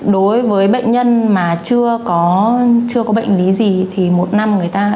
đối với bệnh nhân mà chưa có bệnh lý gì thì một năm người ta